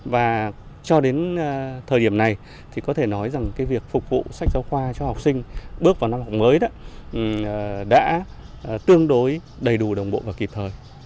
và cho đến thời điểm này thì có thể nói rằng việc phục vụ sách giáo khoa cho học sinh bước vào năm học mới đã tương đối đầy đủ đồng bộ và kịp thời